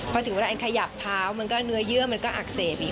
พอถึงเวลาอันขยับเท้ามันก็เนื้อเยื่อมันก็อักเสบอีก